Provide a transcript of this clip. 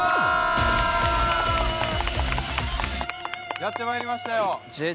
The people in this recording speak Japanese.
やってまいりましたよ。